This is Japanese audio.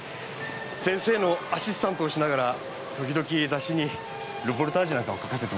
先生のアシスタントをしながら時々雑誌にルポルタージュなんかを書かせてもらっています。